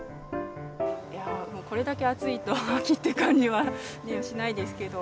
これだけ暑いと、秋って感じはしないですけど。